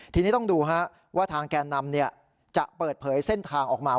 ทีนี้ต้องดูว่าทางแกนนำจะเปิดเผยเส้นทางออกมา